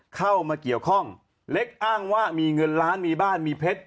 เข้ามาเกี่ยวข้องเล็กอ้างว่ามีเงินล้านมีบ้านมีเพชร